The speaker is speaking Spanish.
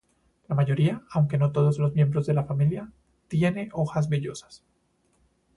La mayoría, aunque no todos los miembros de la familia, tiene hojas vellosas.